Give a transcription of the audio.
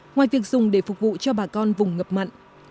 ngoài việc dùng để phục vụ cho bà con vùng ngập mặn